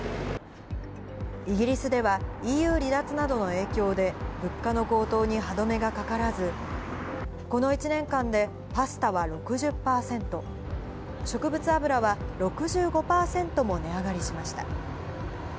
イギリスではＥＵ離脱などの影響で、物価の高騰に歯止めがかからず、この１年間でパスタは６０％、植物油は６５％も値上がりしました。